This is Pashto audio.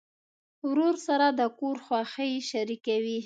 ورور سره د کور خوښۍ شریکوي.